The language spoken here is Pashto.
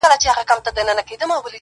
په تو پک نه سي قلم ته دعا وکړﺉ,